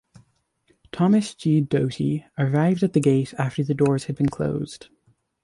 Thomas G. Doty arrived at the gate after the doors had been closed.